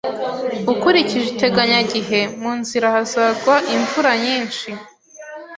Ukurikije iteganyagihe, mu nzira hazagwa imvura nyinshi.